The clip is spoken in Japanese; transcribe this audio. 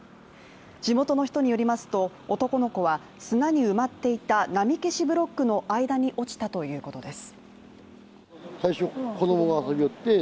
地元の人によりますと、男の子は砂に埋まっていた波消しブロックの間に落ちたということです。